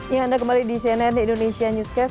ya anda kembali di cnn indonesia newscast